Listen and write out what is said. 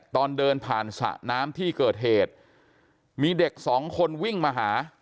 ตอนเดินผ่านสระน้ำที่เกิดเหตุมีเด็กสองคนวิ่งมาหา